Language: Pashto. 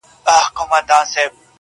چي د کم موږک په نس کي مي غمی دی,